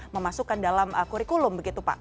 memasukkan dalam kurikulum begitu pak